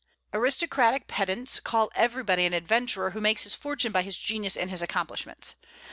Aristocratic pedants call everybody an adventurer who makes his fortune by his genius and his accomplishments.